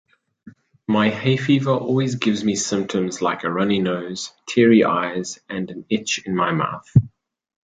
My hayfever always gives me symptoms like a runny nose, teary eyes and an itch in my mouth.